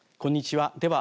こんにちは。